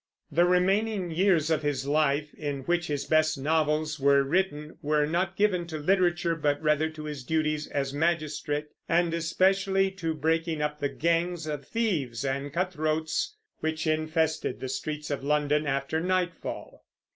The remaining years of his life, in which his best novels were written, were not given to literature, but rather to his duties as magistrate, and especially to breaking up the gangs of thieves and cutthroats which infested the streets of London after nightfall.